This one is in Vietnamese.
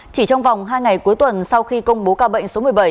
chỉ trong vòng hai ngày cuối tuần sau khi công bố ca bệnh số một mươi bảy